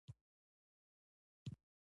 هغوی خبرې کوي، بل یې چوپ وي.